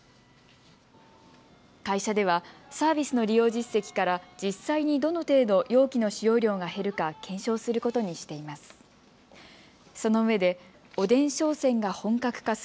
会社ではサービスの利用実績から実際にどの程度、容器の使用量が減るか検証することにしています。